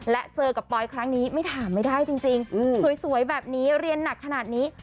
และเจอกับปอยครั้งนี้ไม่ถามไม่ได้จริงสวยแบบนี้เรียนหนักขนาดนี้